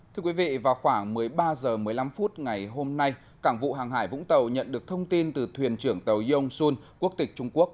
thưa quý vị vào khoảng một mươi ba h một mươi năm phút ngày hôm nay cảng vụ hàng hải vũng tàu nhận được thông tin từ thuyền trưởng tàu yong sun quốc tịch trung quốc